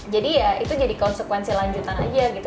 jadi ya itu jadi konsekuensi lanjutan aja gitu